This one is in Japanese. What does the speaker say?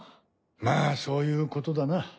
まあそういうことだな。